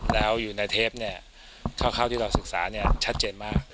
แล้วอยู่ในเทปเนี่ยคร่าวที่เราศึกษาเนี่ยชัดเจนมาก